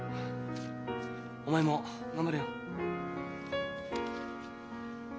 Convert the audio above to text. お前も頑張れよ。